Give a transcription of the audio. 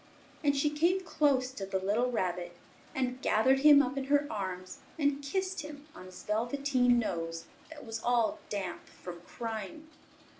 And she came close to the little Rabbit and gathered him up in her arms and kissed him on his velveteen nose that was all damp from crying.